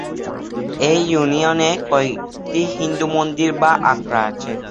এ ইউনিয়নে কয়েকটি হিন্দু মন্দির বা আখড়া আছে।